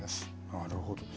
なるほど。